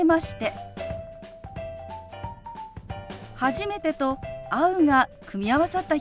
「初めて」と「会う」が組み合わさった表現です。